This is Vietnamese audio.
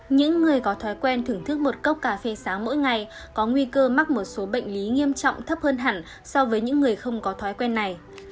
những người có thói quen thưởng thức một cốc cà phê sáng mỗi ngày có nguy cơ mắc một số bệnh lý nghiêm trọng thấp hơn hẳn so với những người không có thói quen này